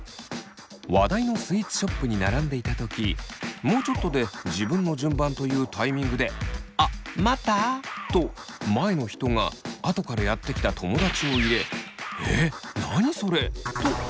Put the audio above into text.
話題のスイーツショップに並んでいたときもうちょっとで自分の順番というタイミングであ「待った？」と前の人が後からやって来た友だちを入れ「えっ何それ」とイラっとした。